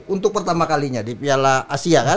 untuk pertama kalinya di piala asia kan